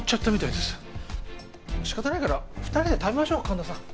仕方ないから２人で食べましょう神田さん。